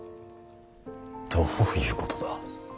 どういうことだ。